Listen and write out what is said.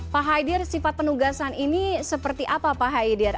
pak haidir sifat penugasan ini seperti apa pak haidir